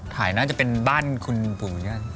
ถ่ายน่าจะเป็นบ้านคุณภูมินะ